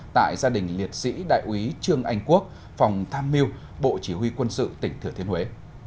tại gia đình liệt sĩ đại úy trương anh quốc phòng tham mưu bộ chỉ huy quân sự tỉnh thừa thiên huế